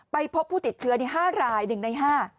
พบผู้ติดเชื้อ๕ราย๑ใน๕